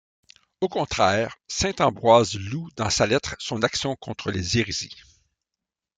Au contraire, saint Ambroise loue dans sa lettre son action contre les hérésies.